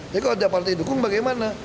tapi kalau ada partai dukung bagaimana